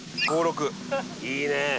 いいね！